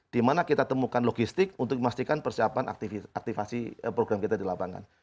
di mana kita temukan logistik untuk memastikan persiapan aktivasi program kita di lapangan